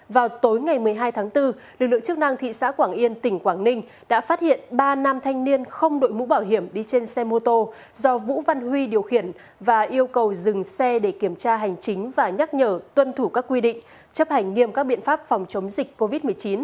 vào tối ngày một mươi hai tháng bốn lực lượng chức năng thị xã quảng yên tỉnh quảng ninh đã phát hiện ba nam thanh niên không đội mũ bảo hiểm đi trên xe mô tô do vũ văn huy điều khiển và yêu cầu dừng xe để kiểm tra hành chính và nhắc nhở tuân thủ các quy định chấp hành nghiêm các biện pháp phòng chống dịch covid một mươi chín